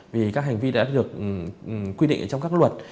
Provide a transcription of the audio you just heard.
vì các hành vi đã được quy định trong các luật